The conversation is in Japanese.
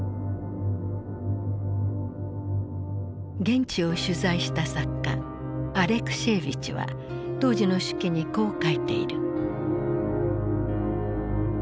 現地を取材した作家アレクシエーヴィチは当時の手記にこう書いている。